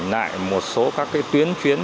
lại một số các cái tuyến chuyến